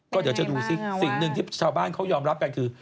ก็เดี๋ยวจะดูสิสิ่งหนึ่งที่ชาวบ้านเขายอมรับกันคือ